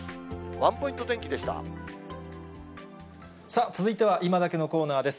ワンポイさあ、続いてはいまダケッのコーナーです。